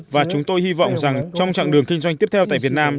và chúng tôi hy vọng rằng trong chặng đường kinh doanh tiếp theo tại việt nam